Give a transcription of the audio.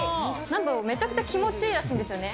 なんと、めちゃくちゃ気持ちいいらしいんですよね。